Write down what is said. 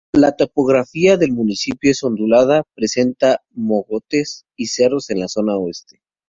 La topografía del municipio es ondulada, presenta mogotes y cerros en la zona oeste.